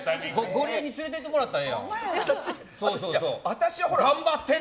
ゴリエに連れてってもらったらええやん。